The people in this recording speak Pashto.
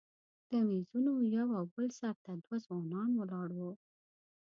د میزونو یو او بل سر ته دوه ځوانان ولاړ وو.